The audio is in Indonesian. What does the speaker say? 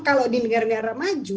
kalau di negara negara maju